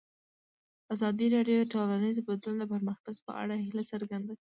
ازادي راډیو د ټولنیز بدلون د پرمختګ په اړه هیله څرګنده کړې.